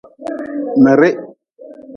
Mirih.